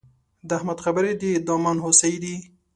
د احمد خبرې د دامان هوسۍ دي.